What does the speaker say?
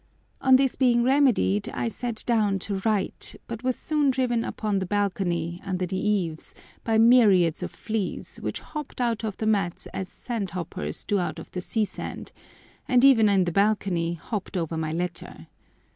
On this being remedied I sat down to write, but was soon driven upon the balcony, under the eaves, by myriads of fleas, which hopped out of the mats as sandhoppers do out of the sea sand, and even in the balcony, hopped over my letter.